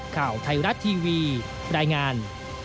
ข่าวไทยรัฐทีวีรายงาน